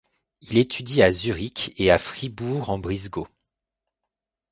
Il étudie à Zurich et à Fribourg-en-Brisgau.